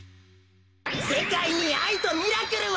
せかいにあいとミラクルを！